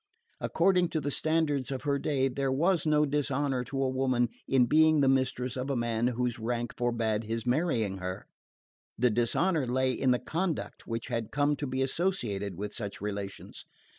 According to the standards of her day there was no dishonour to a woman in being the mistress of a man whose rank forbade his marrying her: the dishonour lay in the conduct which had come to be associated with such relations.